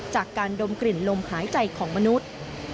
จากการดมกลิ่นลมหายใจของมนุษย์